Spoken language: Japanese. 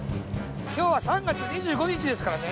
今日は３月２５日ですからね。